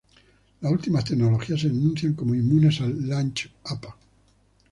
Las últimas tecnologías se anuncian como inmunes al "latch-up".